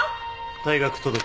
「退学届」